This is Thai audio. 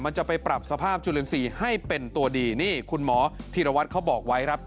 จะไปปรับสภาพจุลินทรีย์ให้เป็นตัวดีนี่คุณหมอธีรวัตรเขาบอกไว้ครับ